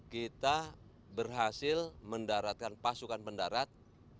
kita berhasil mendaratkan pasukan mendarat